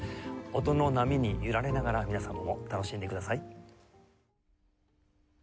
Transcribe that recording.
音の波に揺られながら皆さんも楽しんでください。